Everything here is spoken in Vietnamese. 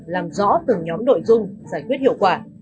làm rõ từng nhóm nội dung giải quyết hiệu quả